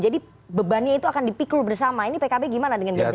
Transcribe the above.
jadi bebannya itu akan dipikul bersama ini pkb gimana dengan ganjalan tadi